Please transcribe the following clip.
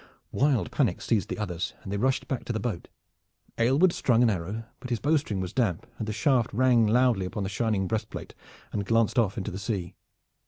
Wild panic seized the others, and they rushed back to the boat. Aylward strung an arrow, but his bowstring was damp and the shaft rang loudly upon the shining breast plate and glanced off into the sea.